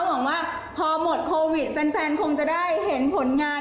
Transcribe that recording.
หวังว่าพอหมดโควิดแฟนคงจะได้เห็นผลงาน